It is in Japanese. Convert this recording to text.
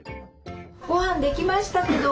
ごはんできましたけど。